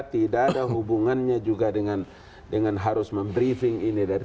tidak ada hubungannya juga dengan harus mem briefing ini